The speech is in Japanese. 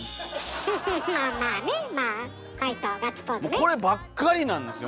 こればっかりなんですよ。